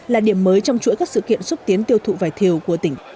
là điểm mới trong chuỗi các sự kiện xúc tiến tiêu thụ vải thiều của tỉnh